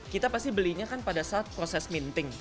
kita pasti belinya kan pada saat proses minting